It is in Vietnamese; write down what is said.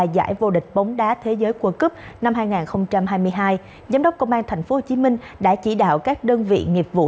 giải vô địch bóng đá thế giới quân cấp năm hai nghìn hai mươi hai giám đốc công an tp hcm đã chỉ đạo các đơn vị nghiệp vụ